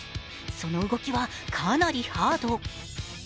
その動きはかなりハード。